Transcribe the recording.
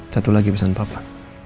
satu lagi pesan papa